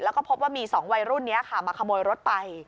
แล้วก็พบว่ามี๒วัยรุ่นนี้ค่ะมาขโมยรถไป